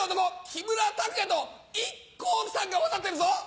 木村拓哉とＩＫＫＯさんがまざってるぞ。